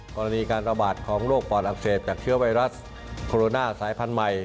กรณีการระบาดของโรคปอดอักเสบจากเชื้อไวรัสโคโรนาสายพันธุ์ใหม่